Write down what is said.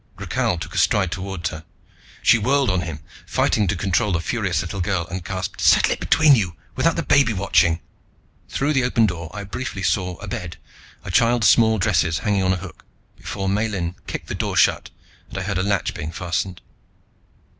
Rakhal took a stride toward her. She whirled on him, fighting to control the furious little girl, and gasped, "Settle it between you, without the baby watching!" Through the open door I briefly saw a bed, a child's small dresses hanging on a hook, before Miellyn kicked the door shut and I heard a latch being fastened.